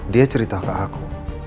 dia cerita ke aku